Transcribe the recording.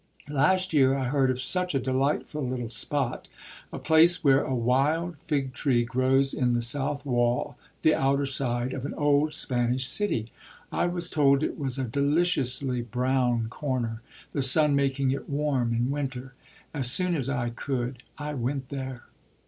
Last year I heard of such a delightful little spot; a place where a wild fig tree grows in the south wall, the outer side, of an old Spanish city. I was told it was a deliciously brown corner the sun making it warm in winter. As soon as I could I went there."